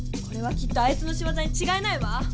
これはきっとあいつのしわざにちがいないわ！